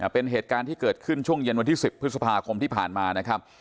เป็นเหตุการณ์ที่เกิดขึ้นช่วงเย็นวันที่๑๐พฤษภาคมที่ผ่านมานะครับ